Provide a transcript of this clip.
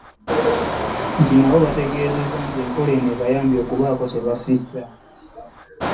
Nabo bategeezezza nti enkola eno ebayambye okubaako kye bafiisa